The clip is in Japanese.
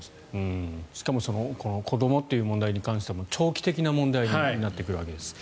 しかも子どもという問題に関しては長期的な問題になってくるわけです。